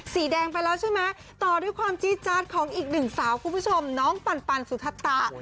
สีแดงไปแล้วใช่ไหมต่อด้วยความจี๊จาดของอีกหนึ่งสาวคุณผู้ชมน้องปันสุธตา